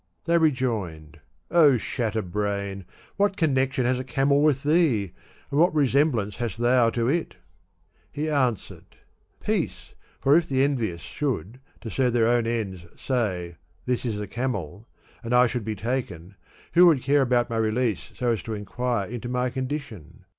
They rejoined, * O Shatter brain ! what con nection has a camel with thee, and what resemblance hast thou to it ?' He answered, ' Peace ! for if the envious should, to serve their own ends, say, This is a camel," and I should be taken, who would care about my release so as to inquire into my condition